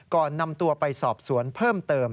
ก่อนนำตัวไปสอบสวนเพิ่มเติม